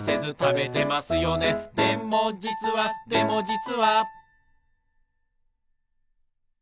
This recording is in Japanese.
「でもじつはでもじつは」